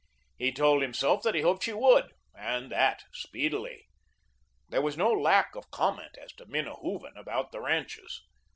He told himself that he hoped she would, and that speedily. There was no lack of comment as to Minna Hooven about the ranches.